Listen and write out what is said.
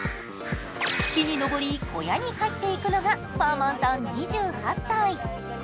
木に登り、小屋に入っていくのがファーマンさん２８歳。